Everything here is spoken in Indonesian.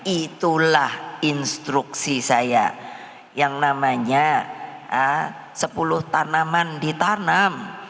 itulah instruksi saya yang namanya sepuluh tanaman ditanam